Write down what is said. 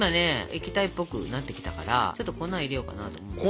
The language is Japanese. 液体っぽくなってきたからちょっと粉入れようかなと思うんだけど。